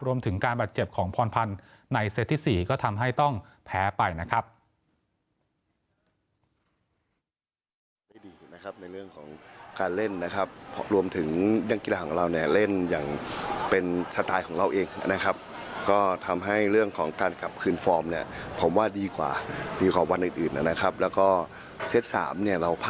รวมถึงการบาดเจ็บของพรพันธ์ในเซตที่๔ก็ทำให้ต้องแพ้ไปนะครับ